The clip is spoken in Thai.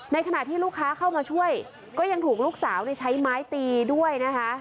ขณะที่ลูกค้าเข้ามาช่วยก็ยังถูกลูกสาวใช้ไม้ตีด้วยนะคะ